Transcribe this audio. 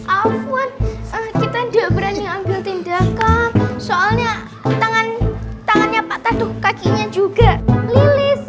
awan kita udah berani ambil tindakan soalnya tangan tangannya patah tuh kakinya juga lilis